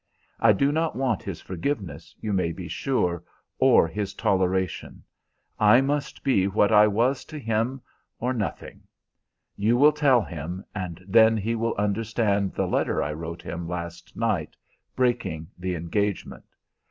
I do not want his forgiveness, you may be sure, or his toleration. I must be what I was to him or nothing. You will tell him, and then he will understand the letter I wrote him last night, breaking the engagement.